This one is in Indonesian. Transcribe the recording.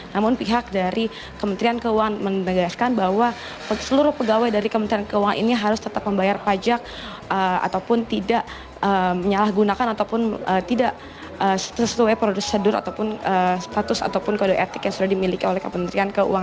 namun pihak dari kementerian keuangan menegaskan bahwa seluruh pegawai dari kementerian keuangan ini harus tetap membayar pajak ataupun tidak menyalahgunakan ataupun tidak sesuai prosedur ataupun status ataupun kode etik yang sudah dimiliki oleh kementerian keuangan